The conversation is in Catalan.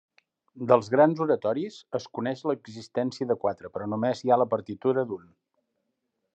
Dels grans oratoris, es coneix l'existència de quatre però només hi ha la partitura d'un.